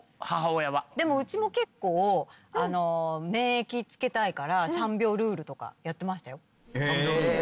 でもうちも結構免疫つけたいから３秒ルールとかやってましたよ。